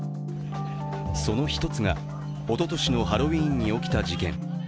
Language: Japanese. その１つが、おととしのハロウィーンに起きた事件。